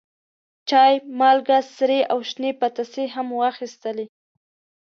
چای، مالګه، سرې او شنې پتاسې هم واخیستلې.